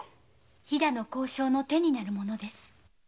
飛の工匠の手になるものです。